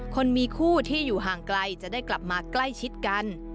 คนมีคู่ที่อยู่ห่างไกลจะได้กลับมาใกล้ชิดกัน